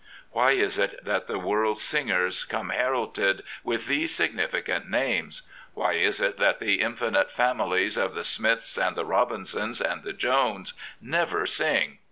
Why is it that the world's singers 1 14 Florence Nightingale come heralded with these significant names? Why is it that the infinite families of the Smiths and the Robinsons and the Joneses never sing?